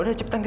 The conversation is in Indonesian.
kamu mau pak